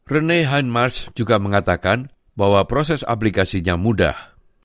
renee heinmars juga mengatakan bahwa proses aplikasinya mudah